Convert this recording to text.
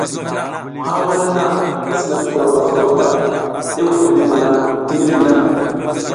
Ha wurenna i sina kukuro baskuro ta, i wuɗ i dubuna ti ngiɗik na.